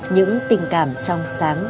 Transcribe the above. những tình cảm trong sáng